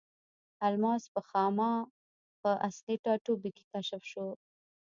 الماس په خاما په اصلي ټاټوبي کې کشف شو.